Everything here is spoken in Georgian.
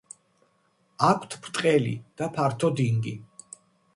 აქვთ ბრტყელი და ფართო დინგი.